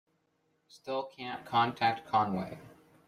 Still can't contact Conway.